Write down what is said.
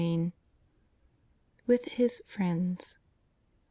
XXXV. WITH HIS FRIENDS.